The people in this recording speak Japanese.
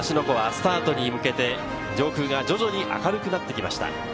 湖はスタートに向けて、上空が徐々に明るくなってきました。